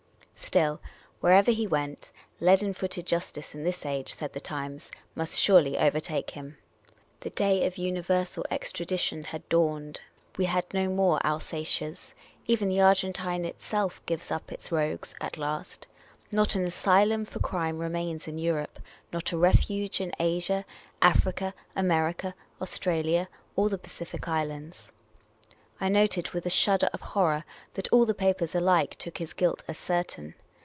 Still, wherever he went, leaden footed justice in this age, said the Times, must surely overtake him. The day of uni versal extradition had dawned ; we had no more Alsatias : even the Argentine itself gives up its rogues — at last ; not an asylum for crime remains in Europe, not a refuge in Asia, Africa, America, Australia, or the Pacific Islands. I noted with a shudder of horror that all the papers alike took his guilt as certain.